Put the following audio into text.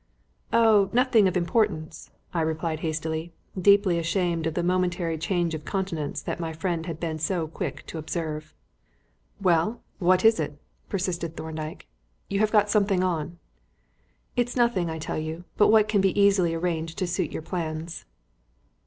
"Oh, nothing of any importance," I replied hastily, deeply ashamed of the momentary change of countenance that my friend had been so quick to observe. "Well, what is it?" persisted Thorndyke. "You have got something on." "It is nothing, I tell you, but what can be quite easily arranged to suit your plans."